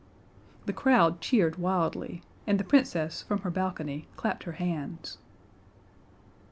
The crowd cheered wildly and the Princess from her balcony clapped her hands.